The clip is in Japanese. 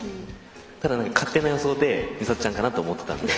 ただ、勝手な予想で美里ちゃんかなと思ってたので。